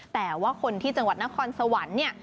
แต่ว่าคนที่จังหวัดนครสวรรค์เนี่ย